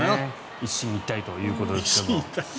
一進一退ということですが。